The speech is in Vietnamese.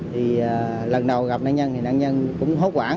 thì lần đầu gặp nạn nhân thì nạn nhân cũng hốt quản